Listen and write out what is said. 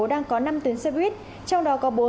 đang có năm tuyến xe buýt trong đó có